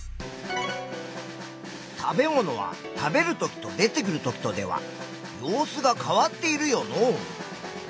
食べ物は食べるときと出てくるときとでは様子が変わっているよのう。